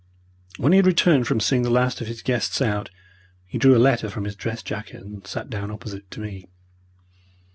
When he had returned from seeing the last of his guests out, he drew a letter from his dress jacket and sat down opposite to me.